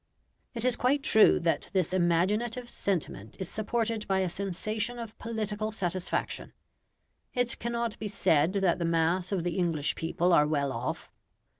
It is quite true that this imaginative sentiment is supported by a sensation of political satisfaction. It cannot be said that the mass of the English people are well off.